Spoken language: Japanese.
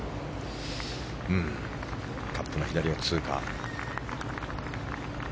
カップの左を通過。